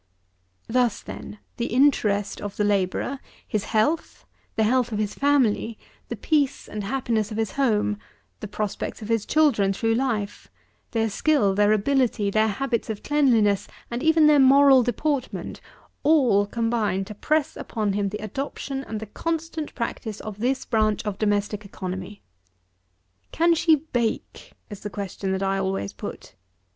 90. Thus, then, the interest of the labourer; his health; the health of his family; the peace and happiness of his home; the prospects of his children through life; their skill, their ability, their habits of cleanliness, and even their moral deportment; all combine to press upon him the adoption and the constant practice of this branch of domestic economy. "Can she bake?" is the question that I always put.